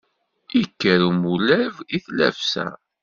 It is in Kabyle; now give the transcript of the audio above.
Ikker umulab i tlafsa.